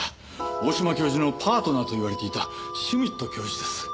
大島教授のパートナーと言われていたシュミット教授です。